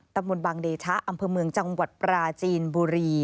ตำบลบังเดชะอำเภอเมืองจังหวัดปราจีนบุรี